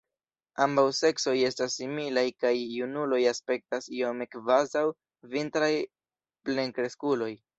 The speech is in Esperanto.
Ambaŭ seksoj estas similaj kaj junuloj aspektas iome kvazaŭ vintraj plenkreskuloj.